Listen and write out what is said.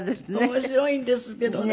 面白いんですけどね